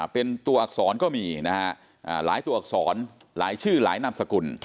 เป็นตัวอักษรก็มีนะฮะหลายตัวอักษรหลายชื่อหลายนามสกุล